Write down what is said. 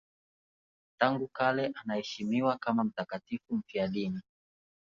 Tangu kale anaheshimiwa kama mtakatifu mfiadini.